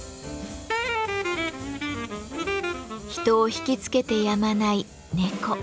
人を惹きつけてやまない猫。